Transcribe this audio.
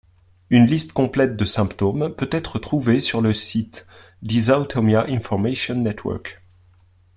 Une liste complète de symptômes peut être trouvée sur le site Dysautonomia Information Network.